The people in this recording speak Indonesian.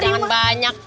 udah jangan banyak